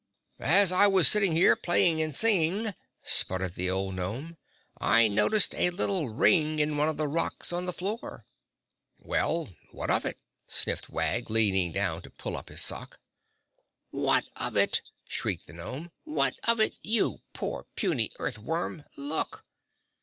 "As I was sitting here, playing and singing," spluttered the old gnome, "I noticed a little ring in one of the rocks on the floor!" [Illustration: (unlabelled)] "Well, what of it?" sniffed Wag, leaning down to pull up his sock. "What of it?" shrieked the gnome. "What of it, you poor, puny earth worm! Look!"